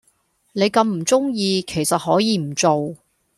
你咁唔鐘意其實可以唔做